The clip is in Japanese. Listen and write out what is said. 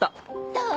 どう？